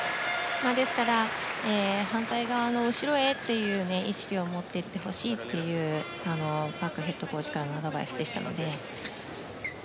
ですから、反対側の後ろへという意識を持ってほしいというパクヘッドコーチからのアドバイスでしたので。